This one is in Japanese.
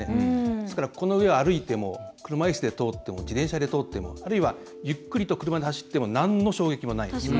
ですから、この上を歩いても車いすで通っても自転車で通ってもあるいは、ゆっくりと車で走ってもなんの衝撃もないんです。